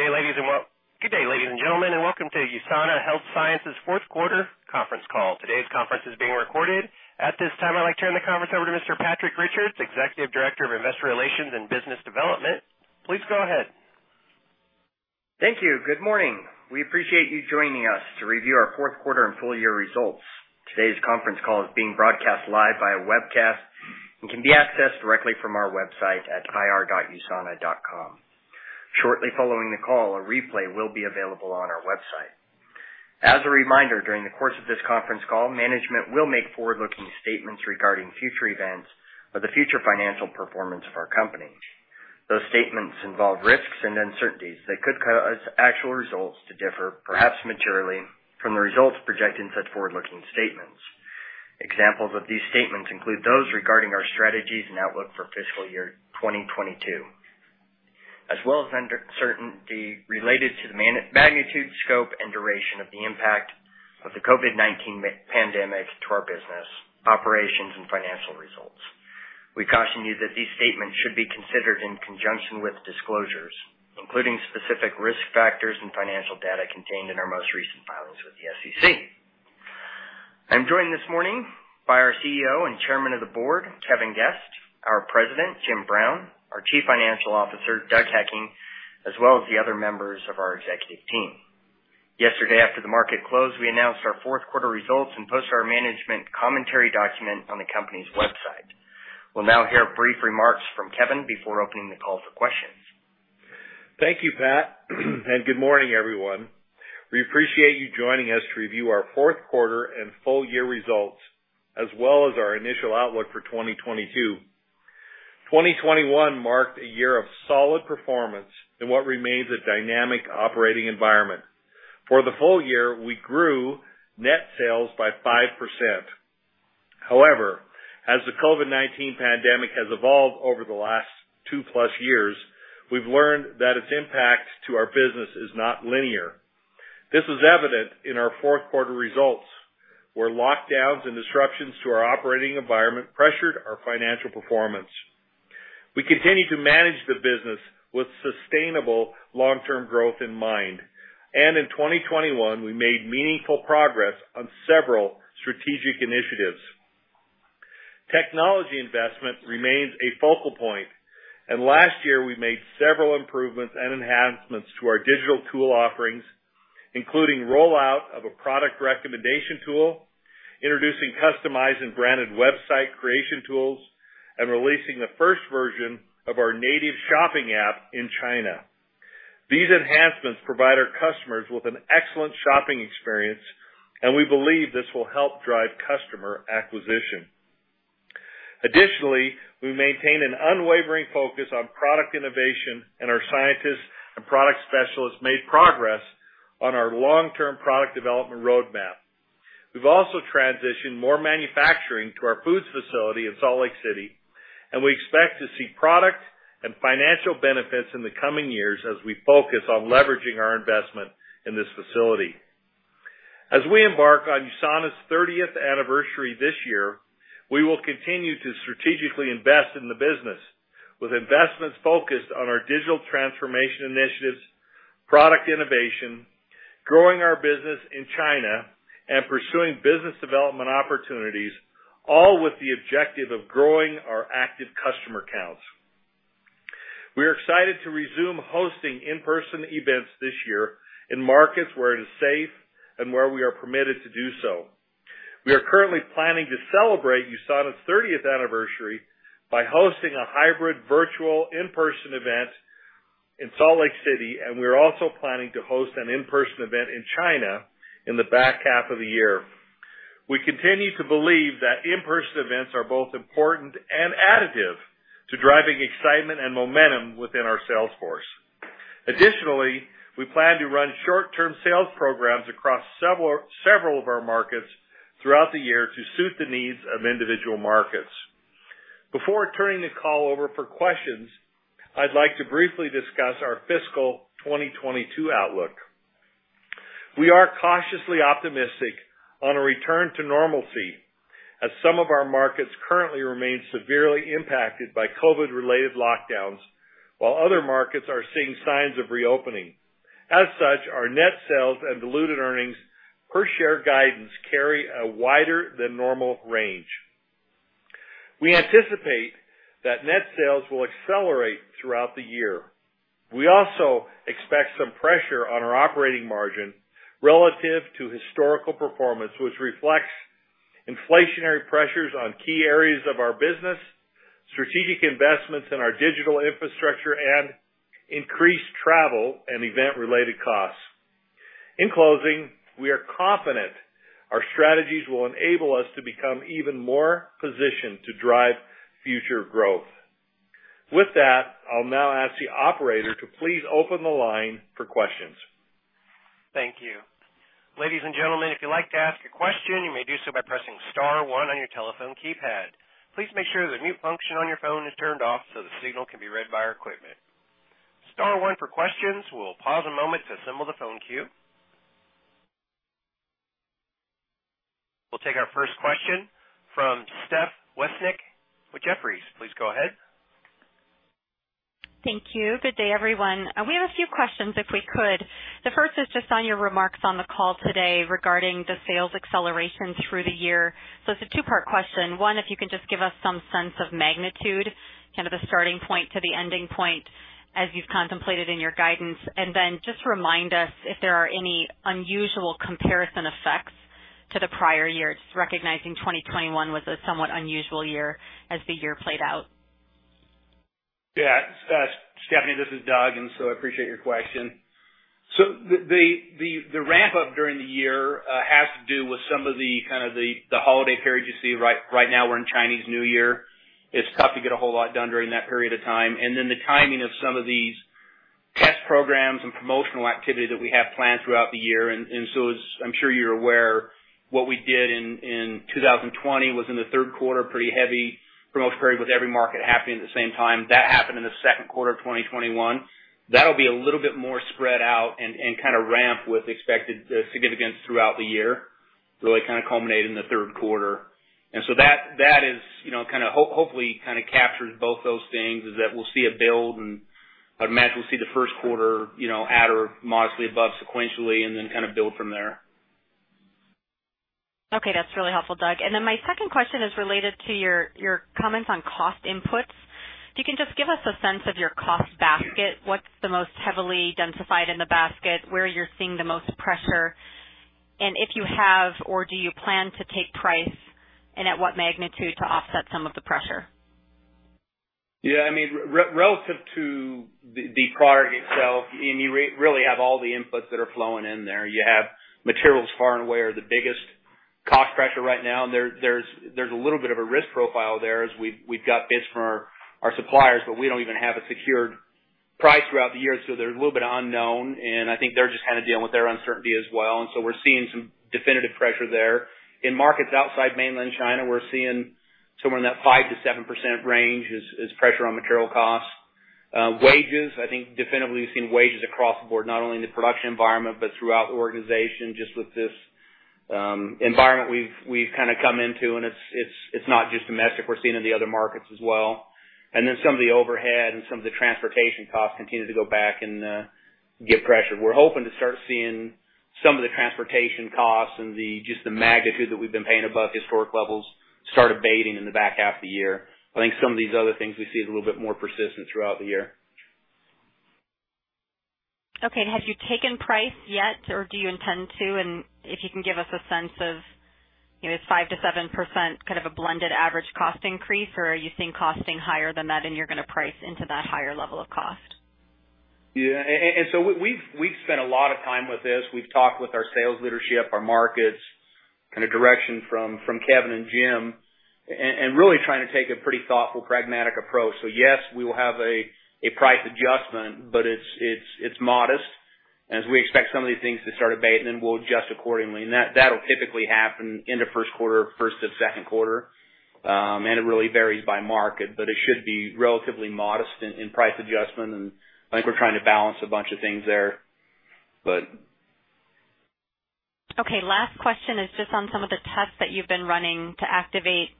Good day, ladies and gentlemen, and welcome to USANA Health Sciences' Q4 conference call. Today's conference is being recorded. At this time, I'd like to turn the conference over to Mr. Patrique Richards, Executive Director of Investor Relations and Business Development. Please go ahead. Thank you. Good morning. We appreciate you joining us to review our Q4 and full year results. Today's conference call is being broadcast live via webcast and can be accessed directly from our website at ir.usana.com. Shortly following the call, a replay will be available on our website. As a reminder, during the course of this conference call, management will make forward-looking statements regarding future events or the future financial performance of our company. Those statements involve risks and uncertainties that could cause actual results to differ, perhaps materially, from the results projected in such forward-looking statements. Examples of these statements include those regarding our strategies and outlook for fiscal year 2022, as well as uncertainty related to the magnitude, scope, and duration of the impact of the COVID-19 pandemic to our business, operations, and financial results. We caution you that these statements should be considered in conjunction with disclosures, including specific risk factors and financial data contained in our most recent filings with the SEC. I'm joined this morning by our CEO and Chairman of the Board, Kevin Guest, our President, Jim Brown, our Chief Financial Officer, Doug Hekking, as well as the other members of our executive team. Yesterday, after the market closed, we announced our Q4 results and posted our management commentary document on the company's website. We'll now hear brief remarks from Kevin before opening the call for questions. Thank you, Pat, and good morning, everyone. We appreciate you joining us to review our Q4 and full year results, as well as our initial outlook for 2022. 2021 marked a year of solid performance in what remains a dynamic operating environment. For the full year, we grew net sales by 5%. However, as the COVID-19 pandemic has evolved over the last two-plus years, we've learned that its impact to our business is not linear. This is evident in our Q4 results, where lockdowns and disruptions to our operating environment pressured our financial performance. We continue to manage the business with sustainable long-term growth in mind. In 2021, we made meaningful progress on several strategic initiatives. Technology investment remains a focal point, and last year, we made several improvements and enhancements to our digital tool offerings, including rollout of a product recommendation tool, introducing customized and branded website creation tools, and releasing the first version of our native shopping app in China. These enhancements provide our customers with an excellent shopping experience, and we believe this will help drive customer acquisition. Additionally, we maintain an unwavering focus on product innovation, and our scientists and product specialists made progress on our long-term product development roadmap. We've also transitioned more manufacturing to our foods facility in Salt Lake City, and we expect to see product and financial benefits in the coming years as we focus on leveraging our investment in this facility. As we embark on USANA's thirtieth anniversary this year, we will continue to strategically invest in the business, with investments focused on our digital transformation initiatives, product innovation, growing our business in China, and pursuing business development opportunities, all with the objective of growing our active customer counts. We are excited to resume hosting in-person events this year in markets where it is safe and where we are permitted to do so. We are currently planning to celebrate USANA's thirtieth anniversary by hosting a hybrid virtual in-person event in Salt Lake City, and we're also planning to host an in-person event in China in the back half of the year. We continue to believe that in-person events are both important and additive to driving excitement and momentum within our sales force. Additionally, we plan to run short-term sales programs across several of our markets throughout the year to suit the needs of individual markets. Before turning the call over for questions, I'd like to briefly discuss our fiscal 2022 outlook. We are cautiously optimistic on a return to normalcy, as some of our markets currently remain severely impacted by COVID-related lockdowns, while other markets are seeing signs of reopening. As such, our net sales and diluted earnings per share guidance carry a wider than normal range. We anticipate that net sales will accelerate throughout the year. We also expect some pressure on our operating margin relative to historical performance, which reflects inflationary pressures on key areas of our business, strategic investments in our digital infrastructure, and increased travel and event-related costs. In closing, we are confident our strategies will enable us to become even more positioned to drive future growth. With that, I'll now ask the operator to please open the line for questions. Thank you. Ladies and gentlemen, if you'd like to ask a question, you may do so by pressing star one on your telephone keypad. Please make sure the mute function on your phone is turned off so the signal can be read by our equipment. Star one for questions. We'll pause a moment to assemble the phone queue. We'll take our first question from Stephanie Wissink with Jefferies. Please go ahead. Thank you. Good day, everyone. We have a few questions, if we could. The first is just on your remarks on the call today regarding the sales acceleration through the year. It's a two-part question. One, if you can just give us some sense of magnitude, kind of the starting point to the ending point as you've contemplated in your guidance, and then just remind us if there are any unusual comparison effects to the prior years, recognizing 2021 was a somewhat unusual year as the year played out. Yeah. Stephanie, this is Doug, and so I appreciate your question. The ramp up during the year has to do with some of the holiday period you see, right now we're in Chinese New Year. It's tough to get a whole lot done during that period of time. Then the timing of some of these test programs and promotional activity that we have planned throughout the year. As I'm sure you're aware, what we did in 2020 was in the Q3, pretty heavy promotional period with every market happening at the same time. That happened in the Q2 of 2021. That'll be a little bit more spread out and kind of ramp with expected significance throughout the year, really kind of culminate in the Q3. That is, you know, kind of hopefully kind of captures both those things is that we'll see a build and I'd imagine we'll see the Q1, you know, at or modestly above sequentially and then kind of build from there. Okay. That's really helpful, Doug. My second question is related to your comments on cost inputs. If you can just give us a sense of your cost basket, what's the most heavily identified in the basket, where you're seeing the most pressure, and if you have or do you plan to take price and at what magnitude to offset some of the pressure? Yeah, I mean, relative to the product itself, and you really have all the inputs that are flowing in there. You have materials far and away are the biggest cost pressure right now. There's a little bit of a risk profile there as we've got bids from our suppliers, but we don't even have a secured price throughout the year, so there's a little bit unknown, and I think they're just kind of dealing with their uncertainty as well, and so we're seeing some definitive pressure there. In markets outside mainland China, we're seeing somewhere in that 5%-7% range is pressure on material costs. Wages, I think definitively we've seen wages across the board, not only in the production environment, but throughout the organization just with this environment we've kind of come into, and it's not just domestic. We're seeing it in the other markets as well. Some of the overhead and some of the transportation costs continue to go back and give pressure. We're hoping to start seeing some of the transportation costs and just the magnitude that we've been paying above historic levels start abating in the back half of the year. I think some of these other things we see is a little bit more persistent throughout the year. Okay. Have you taken price yet, or do you intend to? If you can give us a sense of, you know, is 5%-7% kind of a blended average cost increase, or are you seeing costing higher than that and you're gonna price into that higher level of cost? Yeah. We've spent a lot of time with this. We've talked with our sales leadership, our markets, kind of direction from Kevin and Jim, and really trying to take a pretty thoughtful, pragmatic approach. Yes, we will have a price adjustment, but it's modest. As we expect some of these things to start abating, then we'll adjust accordingly. That'll typically happen end of Q1, first to Q2, and it really varies by market, but it should be relatively modest in price adjustment. I think we're trying to balance a bunch of things there, but. Okay. Last question is just on some of the tests that you've been running to activate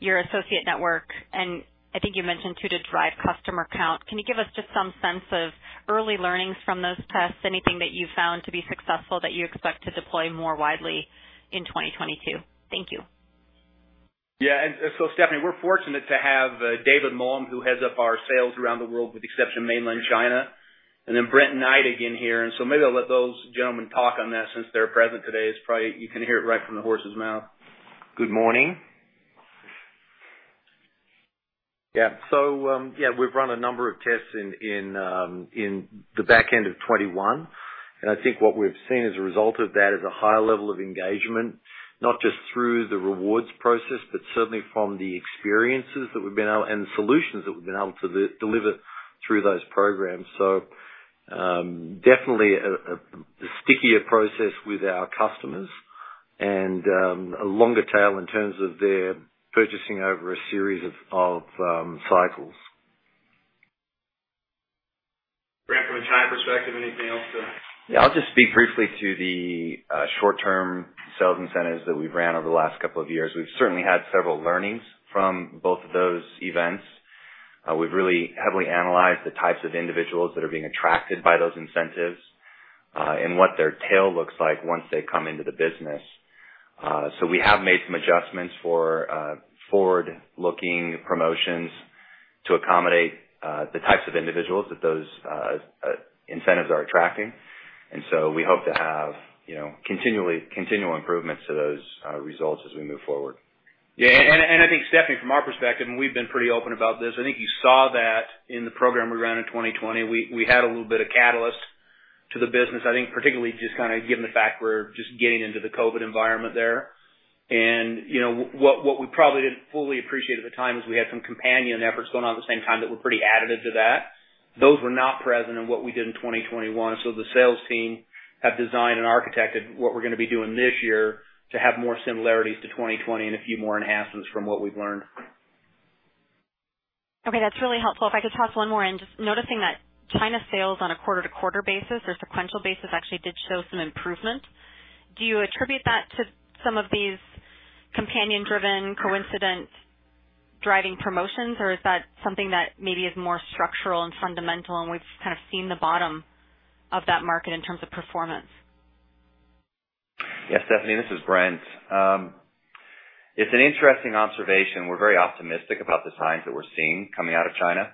your associate network, and I think you mentioned too, to drive customer count. Can you give us just some sense of early learnings from those tests? Anything that you found to be successful that you expect to deploy more widely in 2022? Thank you. Yeah, Stephanie, we're fortunate to have David Mulham, who heads up our sales around the world with the exception of mainland China, and then Brent Neidig in here. Maybe I'll let those gentlemen talk on that since they're present today. It's probably you can hear it right from the horse's mouth. Good morning. We've run a number of tests in the back end of 2021, and I think what we've seen as a result of that is a higher level of engagement, not just through the rewards process, but certainly from the experiences that we've been able and the solutions that we've been able to deliver through those programs. Definitely a stickier process with our customers and a longer tail in terms of their purchasing over a series of cycles. Brent, from a time perspective, anything else to? Yeah. I'll just speak briefly to the short term sales incentives that we've ran over the last couple of years. We've certainly had several learnings from both of those events. We've really heavily analyzed the types of individuals that are being attracted by those incentives, and what their tail looks like once they come into the business. So we have made some adjustments for forward-looking promotions to accommodate the types of individuals that those incentives are attracting. We hope to have, you know, continual improvements to those results as we move forward. Yeah. I think Stephanie, from our perspective, and we've been pretty open about this. I think you saw that in the program we ran in 2020. We had a little bit of catalyst to the business. I think particularly just kind of given the fact we're just getting into the COVID-19 environment there. You know, what we probably didn't fully appreciate at the time is we had some companion efforts going on at the same time that were pretty additive to that. Those were not present in what we did in 2021. The sales team have designed and architected what we're gonna be doing this year to have more similarities to 2020 and a few more enhancements from what we've learned. Okay, that's really helpful. If I could toss one more in. Just noticing that China sales on a quarter-over-quarter basis or sequential basis actually did show some improvement. Do you attribute that to some of these companion driven coincident driving promotions, or is that something that maybe is more structural and fundamental, and we've kind of seen the bottom of that market in terms of performance? Yes, Stephanie, this is Brent. It's an interesting observation. We're very optimistic about the signs that we're seeing coming out of China.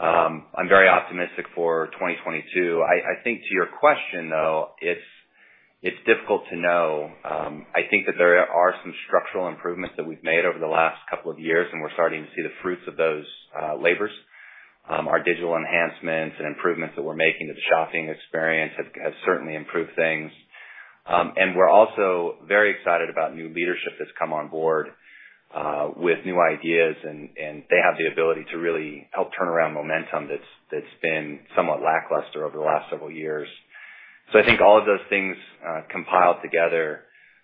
I'm very optimistic for 2022. I think to your question, though, it's difficult to know. I think that there are some structural improvements that we've made over the last couple of years, and we're starting to see the fruits of those labors. Our digital enhancements and improvements that we're making to the shopping experience have certainly improved things. We're also very excited about new leadership that's come on board with new ideas and they have the ability to really help turn around momentum that's been somewhat lackluster over the last several years. I think all of those things compiled together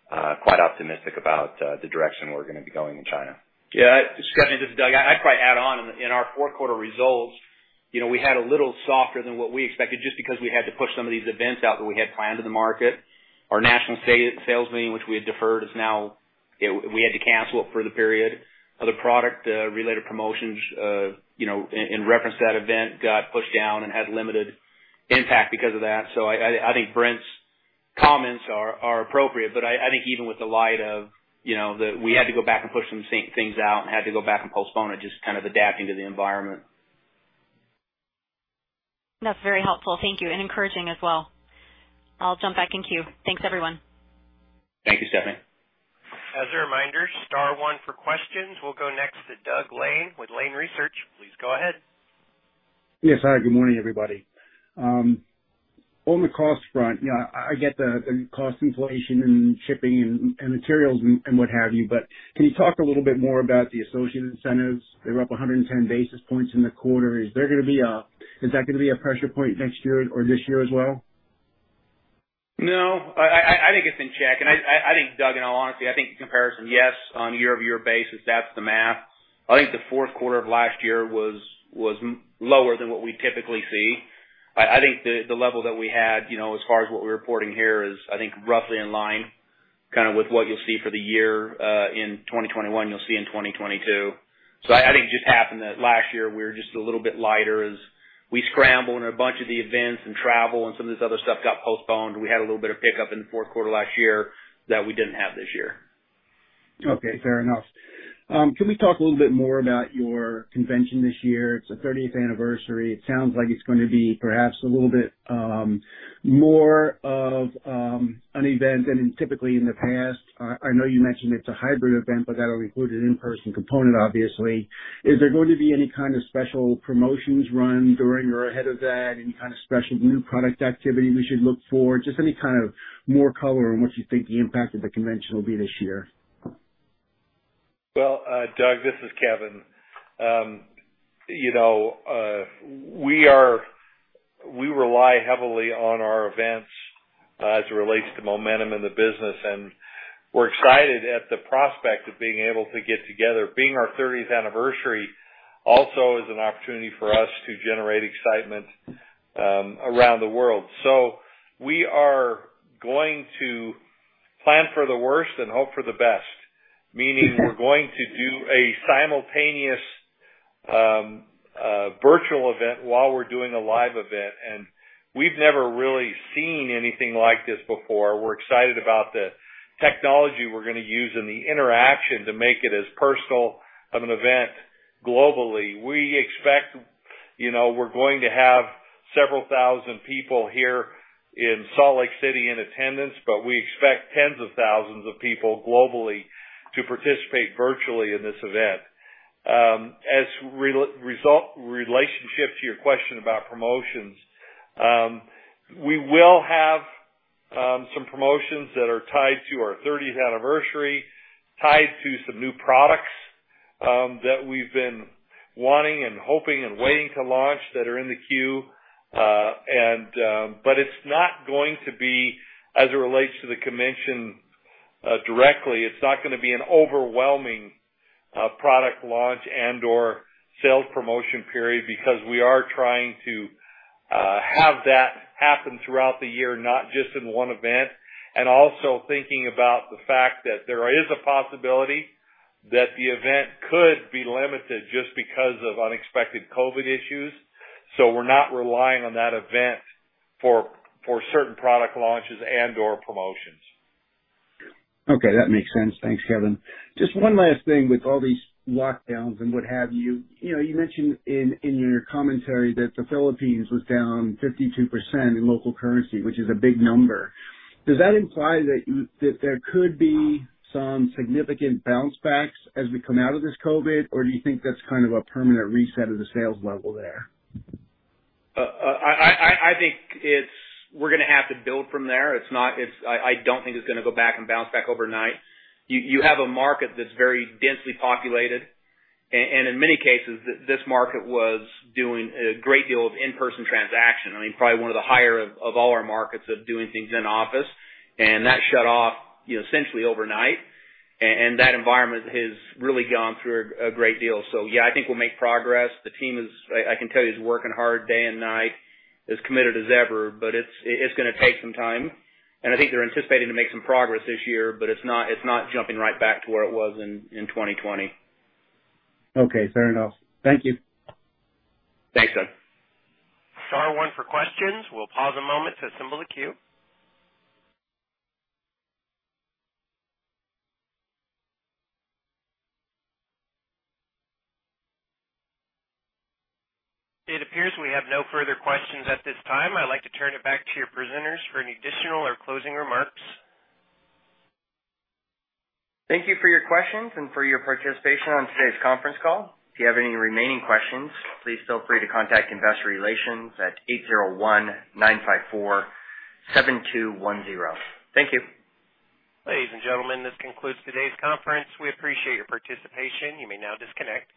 quite optimistic about the direction we're gonna be going in China. Yeah. Stephanie, this is Doug. I'd probably add on. In our Q4 results, you know, we had a little softer than what we expected just because we had to push some of these events out that we had planned in the market. Our national sales meeting, which we had deferred, we had to cancel it for the period. Other product related promotions, you know, in reference to that event, got pushed down and had limited impact because of that. I think Brent's comments are appropriate, but I think even in light of, you know, we had to go back and push some sales things out and had to go back and postpone it, just kind of adapting to the environment. That's very helpful. Thank you. Encouraging as well. I'll jump back in queue. Thanks, everyone. Thank you, Stephanie. As a reminder, star one for questions. We'll go next to Doug Lane with Lane Research. Please go ahead. Yes. Hi, good morning, everybody. On the cost front, you know, I get the cost inflation in shipping and materials and what have you, but can you talk a little bit more about the associate incentives? They were up 110 basis points in the quarter. Is that gonna be a pressure point next year or this year as well? No, I think it's in check. I think, Doug, in all honesty, I think in comparison, yes, on a year-over-year basis, that's the math. I think the Q4 of last year was lower than what we typically see. I think the level that we had, you know, as far as what we're reporting here is, I think, roughly in line kinda with what you'll see for the year, in 2021, you'll see in 2022. I think it just happened that last year we were just a little bit lighter as we scrambled and a bunch of the events and travel and some of this other stuff got postponed. We had a little bit of pickup in the Q4 last year that we didn't have this year. Okay, fair enough. Can we talk a little bit more about your convention this year? It's the 30th anniversary. It sounds like it's gonna be perhaps a little bit more of an event than typically in the past. I know you mentioned it's a hybrid event, but that'll include an in-person component, obviously. Is there going to be any kind of special promotions run during or ahead of that? Any kind of special new product activity we should look for? Just any kind of more color on what you think the impact of the convention will be this year. Well, Doug, this is Kevin. You know, we rely heavily on our events, as it relates to momentum in the business, and we're excited at the prospect of being able to get together. Being our thirtieth anniversary also is an opportunity for us to generate excitement around the world. We are going to plan for the worst and hope for the best, meaning we're going to do a simultaneous virtual event while we're doing a live event. We've never really seen anything like this before. We're excited about the technology we're gonna use and the interaction to make it as personal of an event globally. We expect, you know, we're going to have several thousand people here in Salt Lake City in attendance, but we expect tens of thousands of people globally to participate virtually in this event. In relation to your question about promotions, we will have some promotions that are tied to our 30th anniversary, tied to some new products that we've been wanting and hoping and waiting to launch that are in the queue. It's not going to be an overwhelming product launch and/or sales promotion period as it relates directly to the convention because we are trying to have that happen throughout the year, not just in one event. Also thinking about the fact that there is a possibility that the event could be limited just because of unexpected COVID issues. We're not relying on that event for certain product launches and/or promotions. Okay, that makes sense. Thanks, Kevin. Just one last thing, with all these lockdowns and what have you. You know, you mentioned in your commentary that the Philippines was down 52% in local currency, which is a big number. Does that imply that there could be some significant bounce backs as we come out of this COVID, or do you think that's kind of a permanent reset of the sales level there? I think we're gonna have to build from there. It's not gonna go back and bounce back overnight. You have a market that's very densely populated, and in many cases, this market was doing a great deal of in-person transaction. I mean, probably one of the higher of all our markets of doing things in office. That shut off, you know, essentially overnight. And that environment has really gone through a great deal. Yeah, I think we'll make progress. The team is, I can tell you, is working hard day and night, as committed as ever, but it's gonna take some time. I think they're anticipating to make some progress this year, but it's not jumping right back to where it was in 2020. Okay, fair enough. Thank you. Thanks, Doug. Star one for questions. We'll pause a moment to assemble the queue. It appears we have no further questions at this time. I'd like to turn it back to your presenters for any additional or closing remarks. Thank you for your questions and for your participation on today's conference call. If you have any remaining questions, please feel free to contact investor relations at 801-954-7210. Thank you. Ladies and gentlemen, this concludes today's conference. We appreciate your participation. You may now disconnect.